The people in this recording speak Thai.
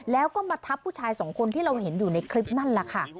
แล้วก็มาทับผู้ชายสองคนที่เราเห็นอยู่ในคลิปนั่นแหละค่ะ